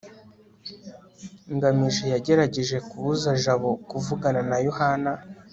ngamije yagerageje kubuza jabo kuvugana na yohana